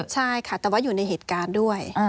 ใช่ค่ะแต่ว่าอยู่ในเหตุการณ์ด้วย